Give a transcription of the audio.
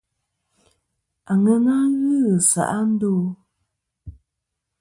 Aŋena ghɨ ghɨ se'a ndo ?